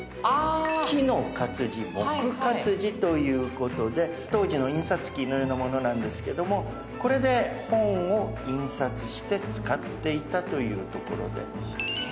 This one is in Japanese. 木の活字木活字ということで当時の印刷機のようなものなんですけどもこれで本を印刷して使っていたというところで。